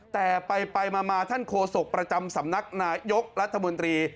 แต่ไปมาท่านโฆษกประจำสำนักนายกรัฐมนตรี